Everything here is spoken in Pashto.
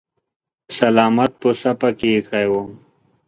سلامت پسه پکې ايښی و.